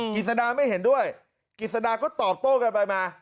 กิจสดาไม่เห็นด้วยกิจสดาก็ตอบโต้กันไปมา